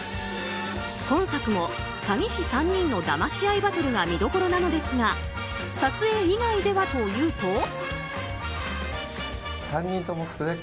今作も詐欺師３人のだまし合いバトルが見どころなのですが撮影以外ではというと。